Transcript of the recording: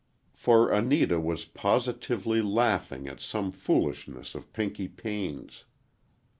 For Anita was positively laughing at some foolishness of Pinky Payne's.